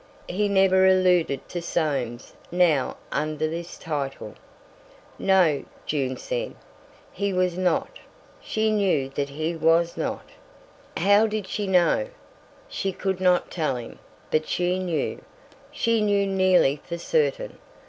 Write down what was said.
He never alluded to Soames now but under this title. "No"—June said—"he was not; she knew that he was not!" How did she know? She could not tell him, but she knew. She knew nearly for certain!